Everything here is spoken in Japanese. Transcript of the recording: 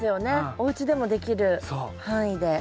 おうちでもできる範囲で。